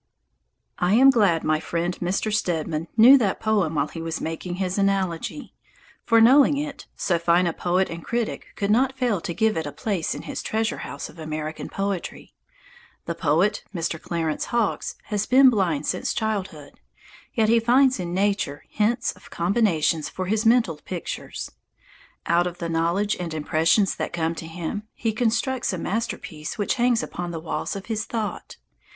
I am glad my friend Mr. Stedman knew that poem while he was making his Anthology, for knowing it, so fine a poet and critic could not fail to give it a place in his treasure house of American poetry. The poet, Mr. Clarence Hawkes, has been blind since childhood; yet he finds in nature hints of combinations for his mental pictures. Out of the knowledge and impressions that come to him he constructs a masterpiece which hangs upon the walls of his thought.